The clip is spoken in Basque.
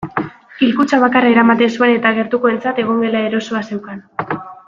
Hilkutxa bakarra eramaten zuen eta gertukoentzat egongela erosoa zeukan.